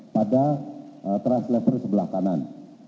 pada trust labor sebelah kanan